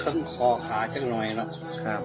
เครื่องคอขาจังหน่อยเนอะ